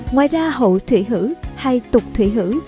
ngoài ra hậu thủy hữ hay tục thủy hữ